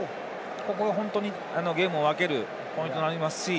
ここが本当にゲームを分けるポイントになりますし。